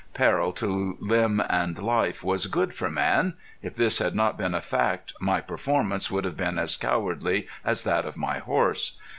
Peril to limb and life was good for man. If this had not been a fact my performance would have been as cowardly as that of my horse.